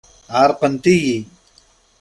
Ɛerqent-iyi.